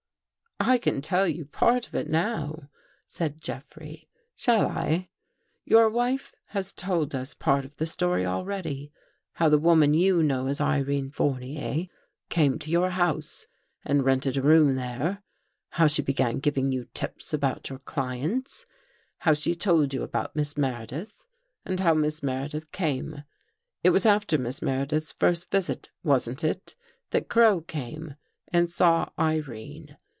" I can tell you part of it now," said Jeffrey. " Shall I? Your wife has told us part of the story already. How the woman you know as Irene Four nier came to your house and rented a room there, how she began giving you tips about your clients; how she told you about Miss Meredith and how Miss Meredith came. It was after Miss Mere dith's first visit, wasn't it, that Crow came and saw Irene?